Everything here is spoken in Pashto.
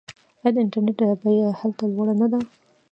آیا د انټرنیټ بیه هلته لوړه نه ده؟